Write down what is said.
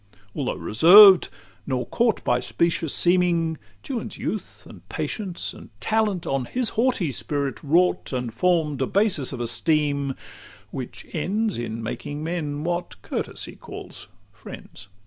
Though reserved, nor caught By specious seeming, Juan's youth, and patience, And talent, on his haughty spirit wrought, And form'd a basis of esteem, which ends In making men what courtesy calls friends.